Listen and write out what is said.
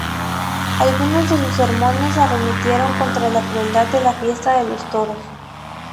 Algunos de sus sermones arremetieron contra la crueldad de la fiesta de los toros.